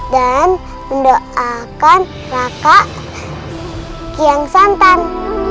dan mendoakan raka kian santang